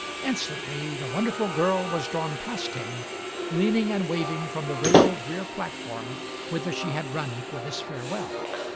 Instantly the wonder ful girl was drawn past him, leaning and waving from the railed rear platform whither she had run for this farewell.